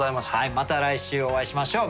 また来週お会いしましょう。